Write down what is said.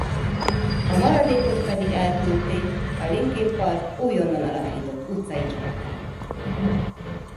A maradékot pedig elküldték a Linkin Park újonnan alakított utcai csapatának.